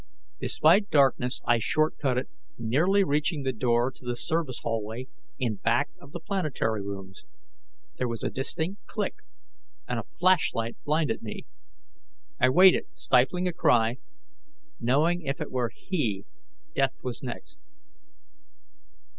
Despite darkness, I shortcutted, nearly reaching the door to the service hallway in back of the planetary rooms. There was a distinct click, and a flashlight blinded me. I waited, stifling a cry, knowing if it were he, death was next.